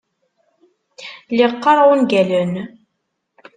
Lliɣ qqareɣ ungalen.